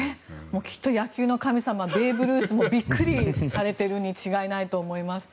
きっと野球の神様ベーブ・ルースもびっくりされているに違いないと思います。